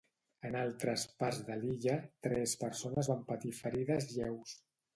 En altres parts de l'illa, tres persones van patir ferides lleus.